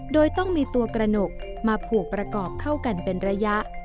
โดยต้องมีตัวกระหนกมาผูกประกอบเข้ากันเป็นระยะ